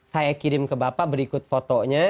saya kirim ke bapak berikut fotonya